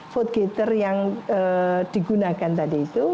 vote gator yang digunakan tadi itu